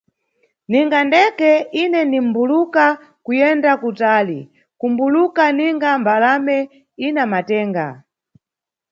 Ninga ndeke, ine nimʼbuluka kuyenda kutali, kumbuluka ninga mbalame ina matenga.